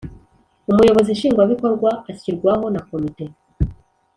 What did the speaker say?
umuyobozi nshingwabikorwa ashyirwaho na komite